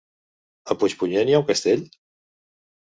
A Puigpunyent hi ha un castell?